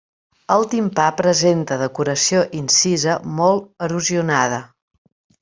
El timpà presenta decoració incisa molt erosionada.